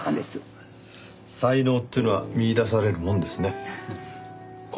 才能っていうのは見いだされるものですね。